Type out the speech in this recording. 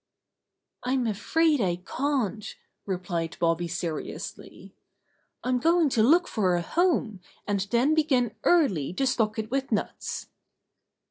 "I'm afraid I can't," replied Bobby ser iously. "I'm going to look for a home, and then begin early to stock it with nuts."